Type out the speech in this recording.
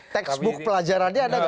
textbook pelajarannya ada gak